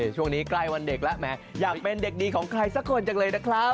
ช่วงนี้ใกล้วันเด็กแล้วแหมอยากเป็นเด็กดีของใครสักคนจังเลยนะครับ